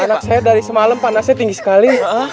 anak saya dari semalam panasnya tinggi sekali